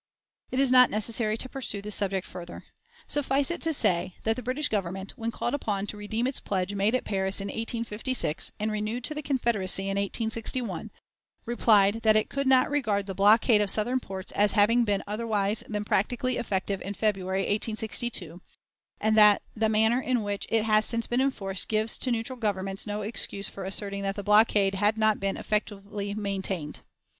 It is not necessary to pursue this subject further. Suffice it to say that the British Government, when called upon to redeem its pledge made at Paris in 1856, and renewed to the Confederacy in 1861, replied that it could not regard the blockade of Southern ports as having been otherwise than "practically effective in February, 1862," and that "the manner in which it has since been enforced gives to neutral governments no excuse for asserting that the blockade had not been effectively maintained."